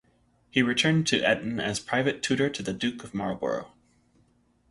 He returned to Eton as private tutor to the Duke of Marlborough.